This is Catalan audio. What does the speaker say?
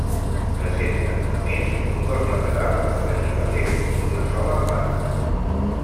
Presenta a més, un cos lateral afegit a l'Est, d'una sola planta.